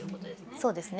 そうですね